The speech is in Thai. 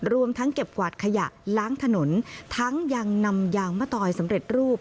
รวมทั้งเก็บกวาดขยะล้างถนนทั้งยังนำยางมะตอยสำเร็จรูป